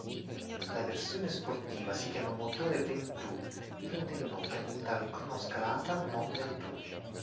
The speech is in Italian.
La versione "sportiva" si chiama motore Ventoux, prende il nome dal cronoscalata Mont Ventoux.